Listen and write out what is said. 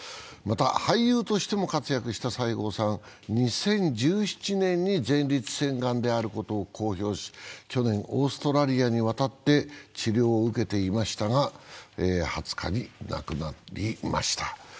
また俳優としても活躍した西郷さん、２０１７年に前立腺がんであることを公表し去年オーストラリアに渡って治療を受けていましたが２０日に亡くなりました。